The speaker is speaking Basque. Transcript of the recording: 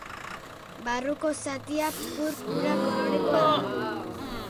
Barruko zatia, purpura kolorekoa da.